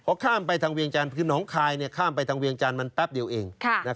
ข้ามไปทางเวียงจันทร์คือน้องคายข้ามไปทางเวียงจันทร์มันแป๊บเดียวเอง